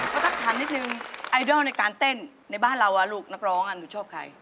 ก็ทักถามนิดนึงไอดอลในการเต้นในบ้านเราลูกนักร้องหนูชอบใคร